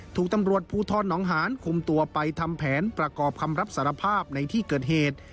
ถูกตำรวจภูทรหนองหานคุมตัวไปทำแผนประกอบคำรับสารภาพในที่เกิดเหตุ